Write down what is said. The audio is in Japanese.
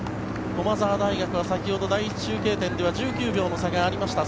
駒澤大学は先ほど第１中継点で１９秒の差がありました。